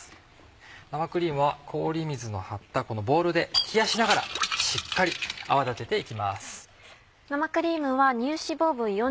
生クリームは氷水の張ったこのボウルで冷やしながらしっかり泡立てて行きます。